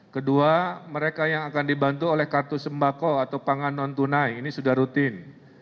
kedua mereka yang akan dibantu oleh kartu sembako atau pangan non tunai ini sudah rutin